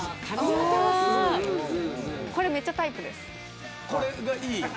これめっちゃタイプです。